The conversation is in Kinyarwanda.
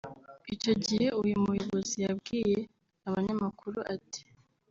Icyo gihe uyu muyobozi yabwiye abanyamakuru ati